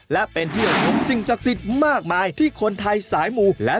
และเป็นที่ระลึกสิ่งศักดิ์สิทธิ์มากมายที่คนไทยสายมูและ